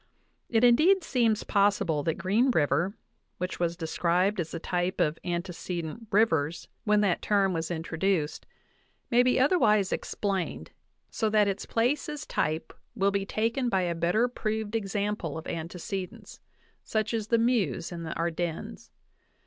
It indeed seems possible that Green River, which was described as the type of antecedent rivers when that term 26 JOHN WESLEY POWELL DAVIS was introduced, may be otherwise explained, so that its place as type will be taken by a better proved example of antece dence, such as the Meuse in the Ardennes.